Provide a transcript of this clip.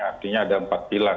artinya ada empat pilar